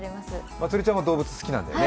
まつりちゃんは動物好きなんだよね？